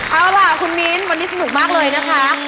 เอาล่ะคุณมิ้นวันนี้สนุกมากเลยนะคะ